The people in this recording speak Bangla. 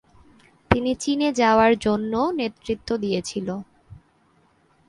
তিনি চীন-এ যাওয়ার জন্যও নেতৃত্ব দিয়েছিল।